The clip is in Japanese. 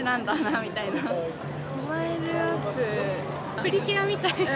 プリキュアみたい。